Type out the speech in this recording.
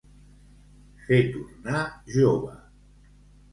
Fer tornar jove.